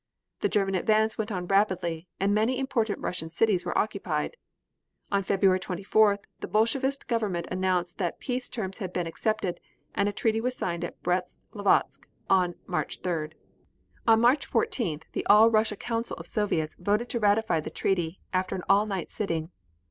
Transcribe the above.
The German advance went on rapidly, and many important Russian cities were occupied. On February 24th, the Bolshevist Government announced that peace terms had been accepted, and a treaty was signed at Brest Litovsk on March 3d. On March 14th the All Russia Council of Soviets voted to ratify the treaty, after an all night sitting.